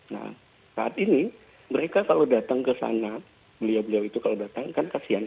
nah saat ini mereka kalau datang ke sana beliau beliau itu kalau datang kan kasian